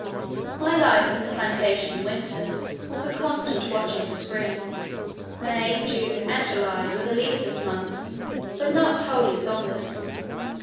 My life in the plantation in winter was a constant watching for spring. May, June, and July were the leafless months, but not wholly songless.